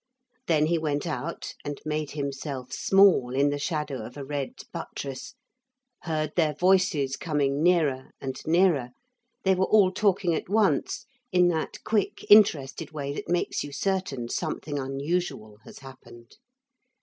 Then he went out and made himself small in the shadow of a red buttress, heard their voices coming nearer and nearer. They were all talking at once, in that quick interested way that makes you certain something unusual has happened.